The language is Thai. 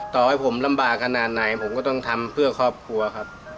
ต่อให้ผมลำบากขนาดไหนผมก็ต้องทำเพื่อครอบครัวครับ